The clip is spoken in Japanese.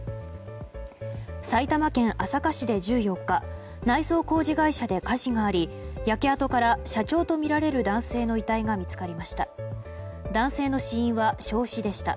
埼玉県朝霞市で１４日内装工事会社で火事があり焼け跡から社長とみられる男性の遺体が見つかりました。